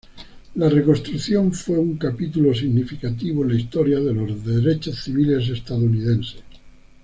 La reconstrucción fue un capítulo significativo en la historia de los derechos civiles estadounidenses.